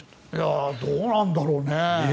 どうなんだろうね。